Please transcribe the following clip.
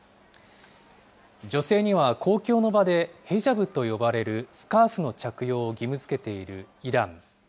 女性には公共の場でヘジャブと呼ばれるスカーフの着用を義務づけているイラン。